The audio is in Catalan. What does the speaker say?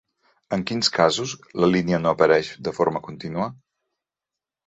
En quins casos la línia no apareix de forma contínua?